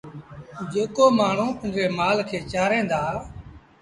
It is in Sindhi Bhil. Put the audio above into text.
جيڪو مڻهون پنڊري مآل کي چآرين دآ